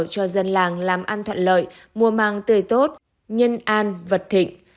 cho dân làng làm ăn thuận lợi mùa mang tời tốt nhân an vật thịnh